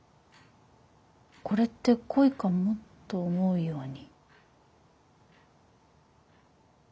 「これって恋かも？と思うように」。